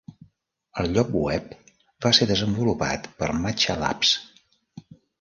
El lloc web va ser desenvolupat per Matcha Labs.